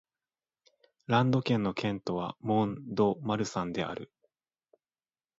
ランド県の県都はモン＝ド＝マルサンである